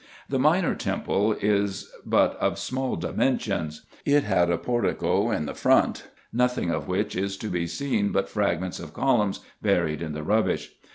The minor temple is but of small dimen sions. It had a portico in the front ; nothing of which is to be seen but fragments of columns buried in the rubbish.